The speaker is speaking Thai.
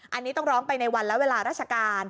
อันนี้ต้องร้องไปในวันและเวลาราชการ